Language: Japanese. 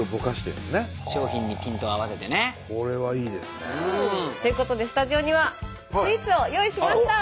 商品にピントを合わせてね。ということでスタジオにはスイーツを用意しました！